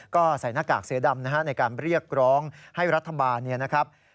ก็ใส่หน้ากากเสือดำในการเรียกร้องให้รัฐบาล